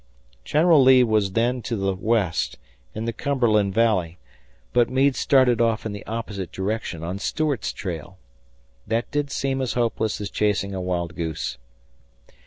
General Lee was then to the west, in the Cumberland Valley, but Meade started off in the opposite direction on Stuart's trail. That did seem as hopeless as chasing a wild goose.